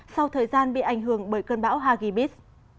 sau thời gian bị ảnh hưởng bởi cơn bão hagibis